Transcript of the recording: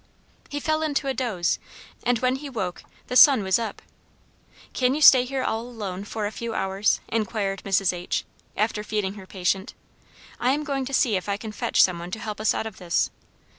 He fell into a doze, and when he woke the sun was up. "Can you stay here all alone for a few hours," inquired Mrs. H , after feeding her patient, "I am going to see if I can fetch some one to help us out of this."